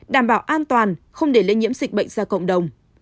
đảm bảo an toàn không để lây nhiễm dịch bệnh ra cộng đồng